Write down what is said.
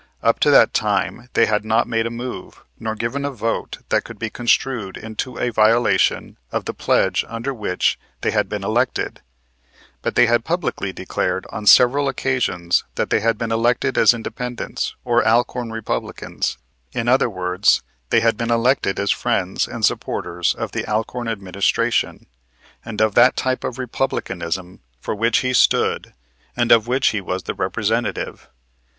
Up to that time they had not made a move, nor given a vote that could be construed into a violation of the pledge under which they had been elected, but they had publicly declared on several occasions that they had been elected as Independents or Alcorn Republicans. In other words, they had been elected as friends and supporters of the Alcorn administration, and of that type of Republicanism for which he stood and of which he was the representative.